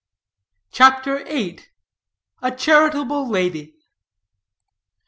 CHAPTER VIII. A CHARITABLE LADY.